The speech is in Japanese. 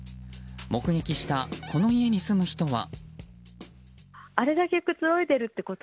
目撃した、この家に住む人は。